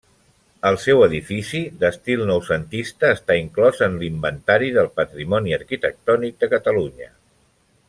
El seu edifici, d'estil noucentista, està inclòs en l'Inventari del Patrimoni Arquitectònic de Catalunya.